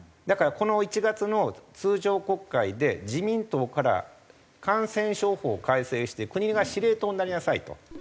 だからこの１月の通常国会で自民党から感染症法を改正して国が司令塔になりなさいと。